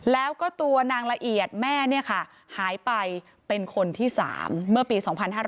แล้วก็ตัวนางละเอียดแม่หายไปเป็นคนที่๓เมื่อปี๒๕๕๙